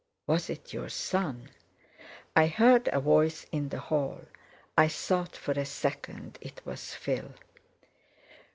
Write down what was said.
"Was it your son? I heard a voice in the hall; I thought for a second it was—Phil."